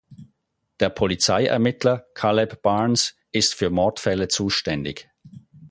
Der Polizeiermittler Caleb Barnes ist für Mordfälle zuständig.